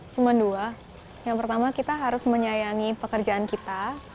cuma dua yang pertama kita harus menyayangi pekerjaan kita